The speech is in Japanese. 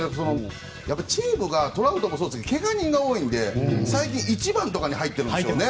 チームがトラウトもそうですが怪我人が多いので最近、１番に入っているんですよね。